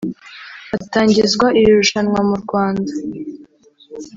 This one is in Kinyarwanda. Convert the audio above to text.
Hatangizwa iri rushanwa mu Rwanda